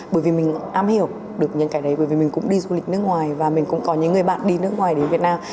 bởi vì mình am hiểu được những cái đấy bởi vì mình cũng đi du lịch nước ngoài và mình cũng có những người bạn đi nước ngoài đến việt nam